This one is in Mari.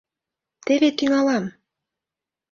— Теве тӱҥалам...